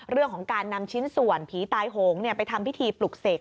เรื่องของการนำชิ้นส่วนผีตายโหงไปทำพิธีปลุกเสก